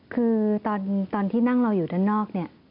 คือตอนที่นั่งเราอยู่ด้านนอกเนี่ย